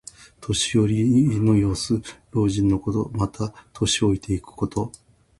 年寄りの様子。老人のこと。または、年老いていくこと。